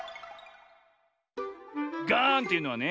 ガーンというのはね